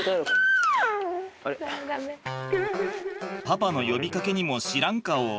パパの呼びかけにも知らん顔。